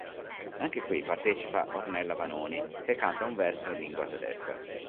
Anche qui partecipa Ornella Vanoni che canta un verso in lingua tedesca.